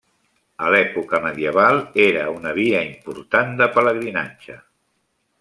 A l'època medieval era una via important de pelegrinatge.